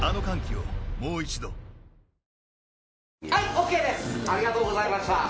本麒麟ありがとうございました。